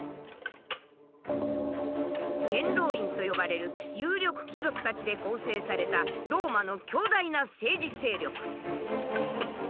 元老院と呼ばれる有力貴族たちで構成されたローマの強大な政治勢力。